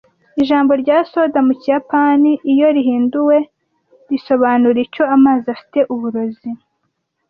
Ijambo rya soda mu kiyapani iyo rihinduwe risobanura icyo Amazi afite Uburozi